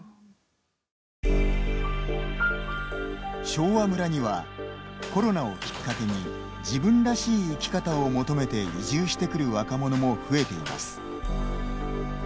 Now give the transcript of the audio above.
昭和村にはコロナをきっかけに自分らしい生き方を求めて移住してくる若者も増えています。